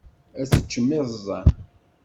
Ad teččem iẓẓan.